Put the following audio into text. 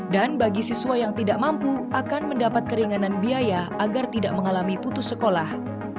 dan bagi siswa yang tidak mampu akan mendapat keringanan biaya agar tidak mengalami putus sekolah